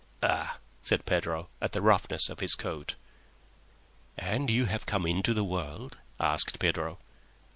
"Ugh!" said Pedro, at the roughness of his coat. "And you have come into the world?" asked Pedro.